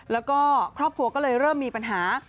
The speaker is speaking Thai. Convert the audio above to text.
แล้วก็ครอบครัวก็เลยเริ่มมีปัญหา